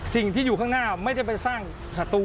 สิ่งที่อยู่ข้างหน้าไม่ได้ไปสร้างศัตรู